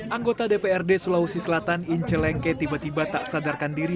anggota dprd sulawesi selatan ince lengke tiba tiba tak sadarkan diri